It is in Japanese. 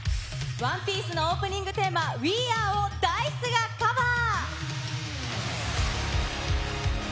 ＯＮＥＰＩＥＣＥのオープニングテーマ、ウィーアー！をＤａーｉＣＥがカバー。